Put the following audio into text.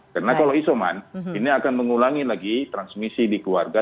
karena kalau isoman ini akan mengulangi lagi transmisi di keluarga